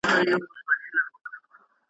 څېړنه د پوهې ټولیزه پراختیا تضمینوي.